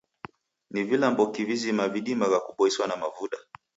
Ni vilamboki vizima vidimagha kuboiswa na mavuda?